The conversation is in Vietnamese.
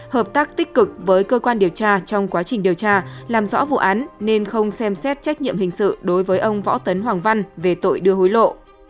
hợp tác tích cực với cơ quan điều tra trong quá trình điều tra làm rõ vụ án nên không xem xét trách nhiệm hình sự đối với ông võ tấn hoàng văn về tội đưa hối lộ